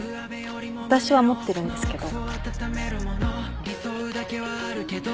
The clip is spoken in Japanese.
私は持ってるんですけど。